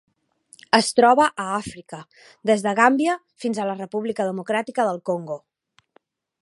Es troba a Àfrica: des de Gàmbia fins a la República Democràtica del Congo.